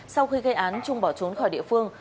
sau khi gây án trung bỏ trốn khỏi địa phương